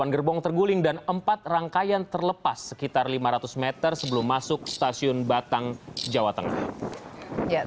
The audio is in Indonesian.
delapan gerbong terguling dan empat rangkaian terlepas sekitar lima ratus meter sebelum masuk stasiun batang jawa tengah